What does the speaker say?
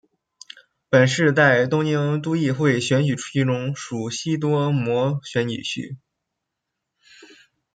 本市在东京都议会选举区中属西多摩选举区。